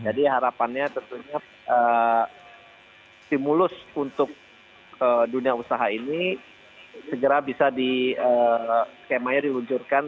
jadi harapannya tentunya stimulus untuk dunia usaha ini segera bisa di skemanya diluncurkan